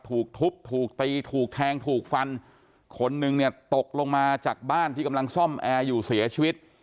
ถูกทุบถูกตีถูกแทงถูกฟันคนนึงเนี่ยตกลงมาจากบ้านที่กำลังซ่อมแอร์อยู่เสียชีวิต